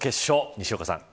西岡さん。